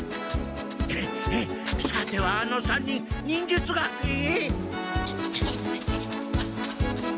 さてはあの３人忍術学園へ？